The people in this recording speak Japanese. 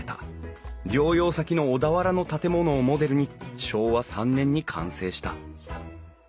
療養先の小田原の建物をモデルに昭和３年に完成した。